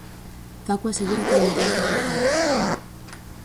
Facua asegura que hai millóns de afectados.